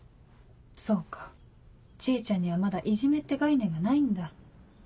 そうか知恵ちゃんにはまだいじめって概念がないんだ。